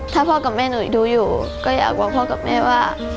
ถ้าพ่อกับแม่หนูดูอยู่ก็อยากบอกพ่อกับแม่ว่า